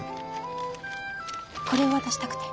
これを渡したくて。